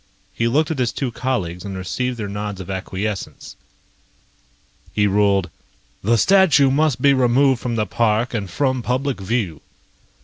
He looked at his two colleagues and received their nods of acquiescence. He ruled: "The statue must be removed from the park and from public view."